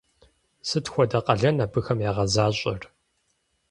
Сыт хуэдэ къалэн абыхэм ягъэзащӏэр?